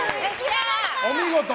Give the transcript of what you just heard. お見事。